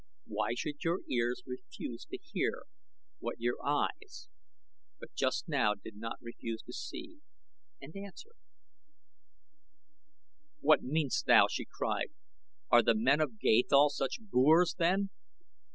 "Why should your ears refuse to hear what your eyes but just now did not refuse to see and answer?" "What meanest thou?" she cried. "Are the men of Gathol such boors, then?"